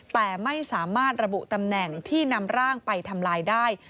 แต่ไม่สามารถระบุตำแหน่งที่นำร่างไปทำลายได้